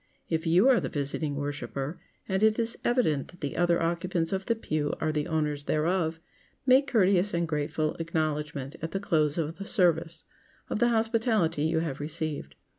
If you are the visiting worshiper, and it is evident that the other occupants of the pew are the owners thereof, make courteous and grateful acknowledgment at the close of the service, of the hospitality you have received.